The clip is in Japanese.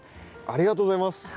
ありがとうございます。